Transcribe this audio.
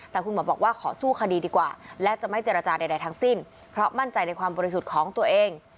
แต่คุณหมอบอกว่าขอสู้คดีดีกว่าและจะไม่เจรจาใดทั้งสิ้นเพราะมั่นใจในความบริสุทธิ์ของตัวเอง